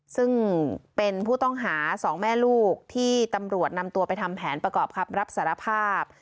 ซึ่งเป็นผู้ต้องหาสองแม่ลูกที่ตำรวจนำตัวไปทำแผนประกอบคำรับสารภาพ